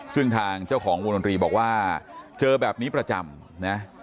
ซึ่งทางเจ้าของวงดนตรีบอกว่าเจอแบบนี้ประจำนะ